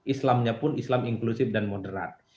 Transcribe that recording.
islamnya pun islam inklusif dan moderat